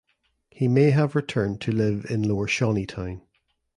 He may have returned to live in Lower Shawneetown.